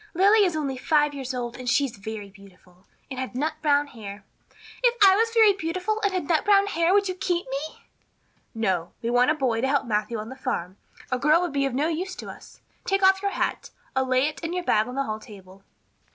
Lily is only five years old and she is very beautiful and had nut brown hair. If I was very beautiful and had nut brown hair would you keep me?" "No. We want a boy to help Matthew on the farm. A girl would be of no use to us. Take off your hat. I'll lay it and your bag on the hall table."